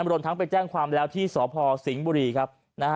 รวมทั้งไปแจ้งความแล้วที่สพสิงห์บุรีครับ